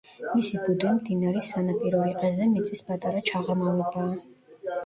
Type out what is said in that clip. მისი ბუდე მდინარის სანაპირო რიყეზე მიწის პატარა ჩაღრმავებაა.